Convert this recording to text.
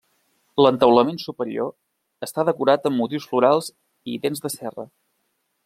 L'entaulament superior està decorat amb motius florals i dents de serra.